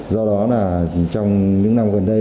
do đó là trong những năm gần đây